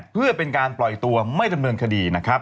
เพื่อเป็นการปล่อยตัวไม่ดำเนินคดีนะครับ